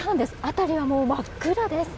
辺りはもう真っ暗です。